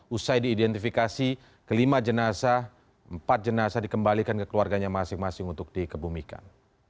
usai diidentifikasi kelima jenazah empat jenazah dikembalikan ke keluarganya masing masing untuk dikebumikan